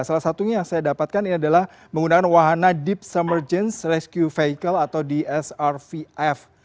salah satunya yang saya dapatkan ini adalah menggunakan wahana deep summergence rescue vehicle atau dsrvf